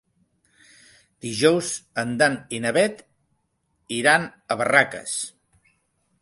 Dijous en Dan i na Bet iran a Barraques.